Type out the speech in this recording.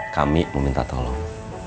kami mau minta tolong